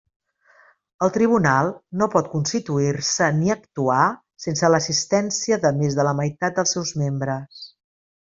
El Tribunal no pot constituir-se ni actuar sense l'assistència de més de la meitat dels seus membres.